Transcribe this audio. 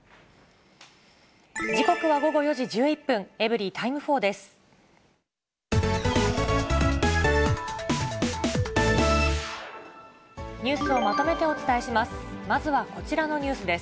時刻は午後４時１１分、エブリィタイム４です。